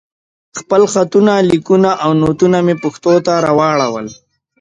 خپل خطونه، ليکونه او نوټونه مې پښتو ته راواړول.